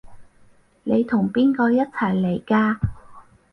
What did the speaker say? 你同邊個一齊嚟㗎？